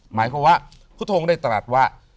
หมายความว่าพุทธงได้ตรัสว่า